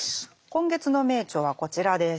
今月の名著はこちらです。